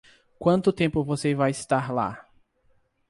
Quanto tempo você vai estar lá?